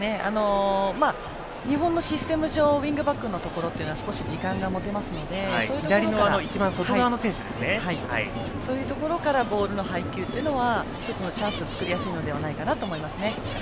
日本のシステム上ウイングバックのところは少し時間が持てますのでそういったところからボールの配球というのは１つのチャンスを作りやすいのではないかと思います。